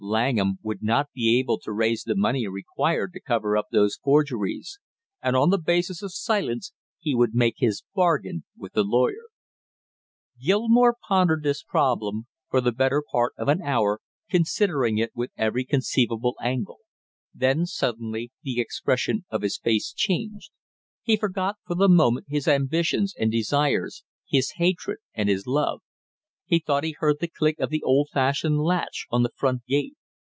Langham would not be able to raise the money required to cover up those forgeries, and on the basis of silence he would make his bargain with the lawyer. Gilmore pondered this problem for the better part of an hour, considering it from every conceivable angle; then suddenly the expression of his face changed, he forgot for the moment his ambitions and his desires, his hatred and his love; he thought he heard the click of the old fashioned latch on the front gate.